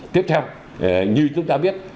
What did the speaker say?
tiếp theo như chúng ta biết